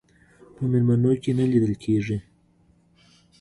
په میلمنو کې نه لیدل کېږي.